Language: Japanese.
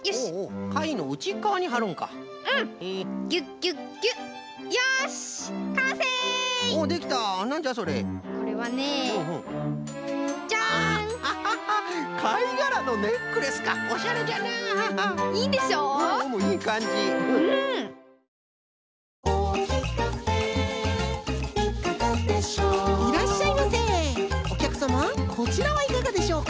おきゃくさまこちらはいかがでしょうか？